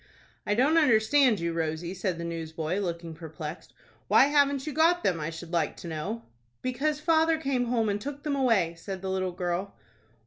"I don't understand you, Rosie," said the newsboy, looking perplexed. "Why haven't you got them, I should like to know?" "Because father came home, and took them away," said the little girl.